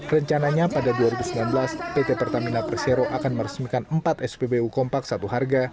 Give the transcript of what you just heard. rencananya pada dua ribu sembilan belas pt pertamina persero akan meresmikan empat spbu kompak satu harga